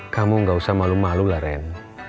kamu gak usah malu malu lah ren